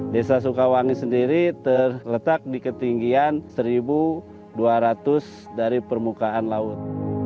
desa sukawangi sendiri terletak di ketinggian seribu dua ratus dari permukaan laut